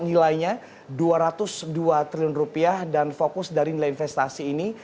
nilainya dua ratus dua triliun rupiah dan fokus dari nilai investasi ini